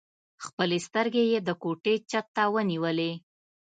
خپلې سترګې يې د کوټې چت ته ونيولې.